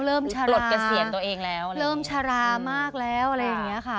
ปลดเกษียณตัวเองแล้วเริ่มชะลามากแล้วอะไรอย่างเงี้ยค่ะ